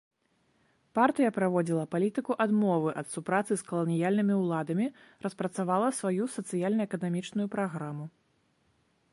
Партыя праводзіла палітыку адмовы ад супрацы з каланіяльнымі ўладамі, распрацавала сваю сацыяльна-эканамічную праграму.